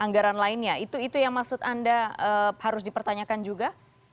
anggaran lainnya itu yang maksud anda harus dipertanyakan juga